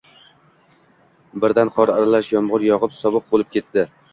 Birdan qor aralash yomg’ir yog’ib, sovuq bo’lib ketdi.